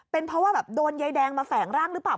เป็นเพราะว่าแบบโดนยายแดงมาแฝงร่างหรือเปล่า